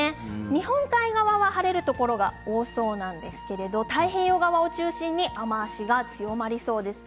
日本海側は晴れるところが多そうなんですが太平洋側を中心に雨足が強まりそうです。